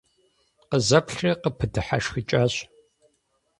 Къызэплъри, къыпыдыхьэшхыкӀащ.